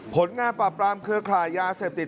ผลงานปราบปรามเครือข่ายยาเสพติด